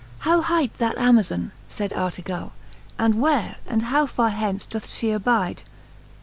How hight that Amazon, layd Artegallf And where, and how far hence does Ihe abide